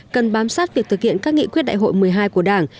cần bám sát việc thực hiện các nghị quyết đại hội một mươi hai của đảng